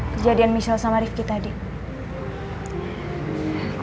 gua udah mau film aku